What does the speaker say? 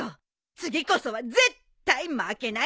次こそは絶対負けないんだから！